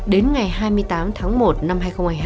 đến ngày hai mươi tám tháng một năm hai nghìn hai mươi hai